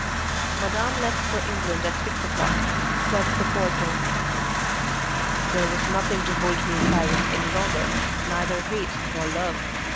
"Madame left for England at six o'clock," said the porter. There was nothing to hold me in Paris any longer, neither hate nor love.